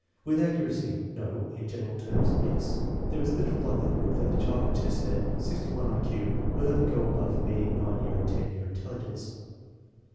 With accuracy, no; in general terms, yes. There is little likelihood that the child who tested at 61 1 Q will ever go above median nine year or ten year intelligence.